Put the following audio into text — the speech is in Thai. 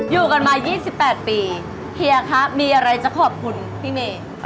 อยู่กันมา๒๘ปีเฮียคะมีอะไรจะขอบคุณพี่เมย์